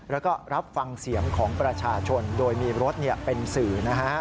แล้วก็รับฟังเสียงของประชาชนโดยมีรถเป็นสื่อนะฮะ